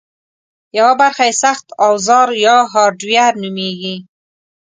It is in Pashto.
یوه برخه یې سخت اوزار یا هارډویر نومېږي